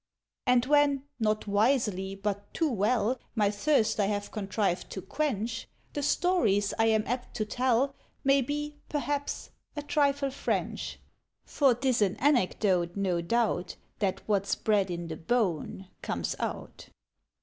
And when, not Wisely but too Well, My thirst I have contrived to quench, The stories I am apt to tell May be, perhaps, a trifle French; (For 'tis in anecdote, no doubt, That what's Bred in the Beaune comes out.)